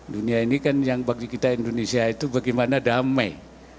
dunia ini kan yang bagi kita indonesia itu bagaimana damai